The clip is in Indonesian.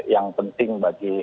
yang penting bagi